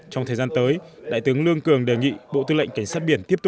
trong thời gian tới đại tướng lương cường đề nghị bộ tư lệnh cảnh sát biển